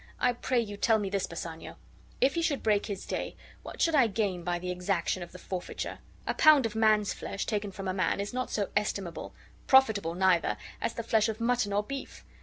I pray you tell me this, Bassanio: if he should break his day, what should I gain by the exaction of the forfeiture? A pound of man's flesh, taken from a man, is not so estimable, profitable, neither, as the flesh of mutton or beef.